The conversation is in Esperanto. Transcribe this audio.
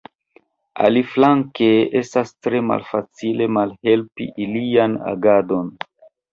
Aliflanke, estas tre malfacile malhelpi ilian agadon.